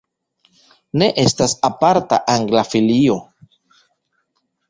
Ne estas aparta angla filio.